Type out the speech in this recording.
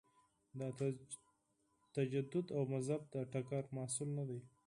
د تجدد او مذهب د ټکر محصول نه دی.